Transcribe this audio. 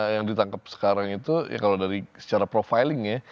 yang ditangkap sekarang itu ya kalau dari secara profiling ya